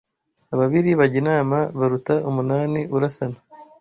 Ababiri bajya inama baruta umunani urasana